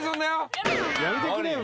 やめてくれよ。